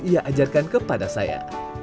ia ajarkan kepada saya